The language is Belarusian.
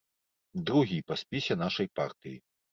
Другі па спісе нашай партыі.